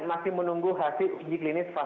masih menunggu hasil uji klinis fase